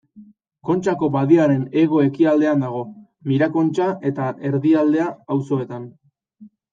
Kontxako badiaren hego-ekialdean dago, Mirakontxa eta Erdialdea auzoetan.